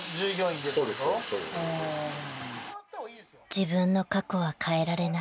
［自分の過去は変えられない］